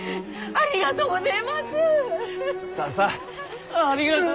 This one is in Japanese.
ありがとうごぜえます。